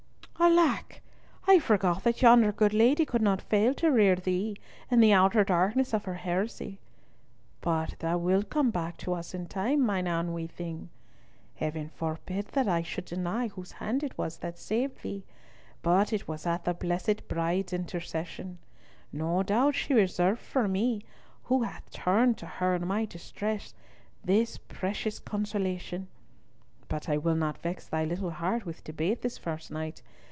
"Alack! I forgot that yonder good lady could not fail to rear thee in the outer darkness of her heresy; but thou wilt come back to us, my ain wee thing! Heaven forbid that I should deny Whose Hand it was that saved thee, but it was at the blessed Bride's intercession. No doubt she reserved for me, who had turned to her in my distress, this precious consolation! But I will not vex thy little heart with debate this first night.